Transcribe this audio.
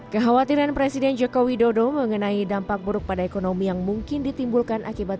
kekhawatiran presiden joko widodo mengenai dampak buruk pada ekonomi yang mungkin ditimbulkan akibat